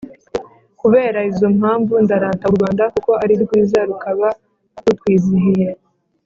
kubera izo mpamvu, ndarata u rwanda kuko ari rwiza rukaba rutwizihiye